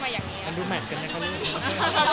แค่ไปดูที่ร้านเดียวกันเฉย